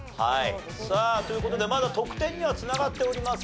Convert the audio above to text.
さあという事でまだ得点には繋がっておりません。